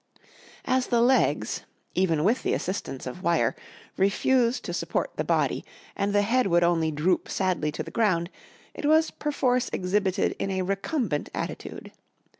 As the legs, even with the assistance of wire, refused to support the body and the head would only droop sadly to the ground, it was perforce exhibited in a recumbent attitude.